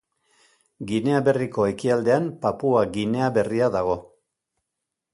Ginea Berriko ekialdean Papua Ginea Berria dago.